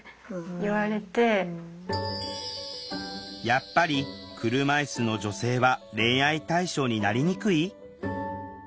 やっぱり車いすの女性は恋愛対象になりにくい？